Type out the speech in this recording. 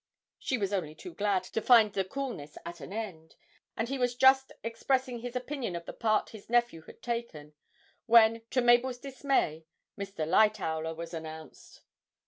She was only too glad to find the coolness at an end, and he was just expressing his opinion of the part his nephew had taken, when, to Mabel's dismay, Mr. Lightowler was announced.